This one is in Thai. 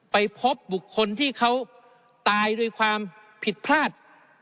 ไปพบบุคคลที่เขาตายด้วยความผิดพลาด